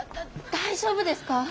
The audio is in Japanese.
大丈夫ですか？